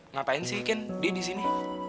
ngapain sih ken dia disini